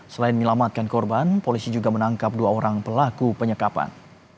selain menyelamatkan korban polisi juga menangkap dua orang pelaku penyekapan